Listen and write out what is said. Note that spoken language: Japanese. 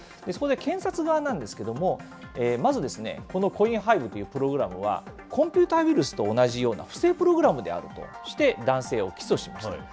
そこで検察側なんですけれども、まずこのコインハイブというプログラムは、コンピューターウイルスと同じような不正プログラムであるとして、男性を起訴しました。